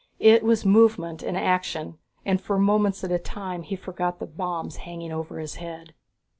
It was movement and action, and for moments at a time he forgot the bombs hanging over his head.